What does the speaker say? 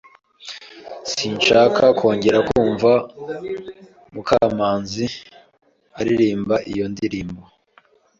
Sinshaka kongera kumva Mukamanzi aririmba iyo ndirimbo.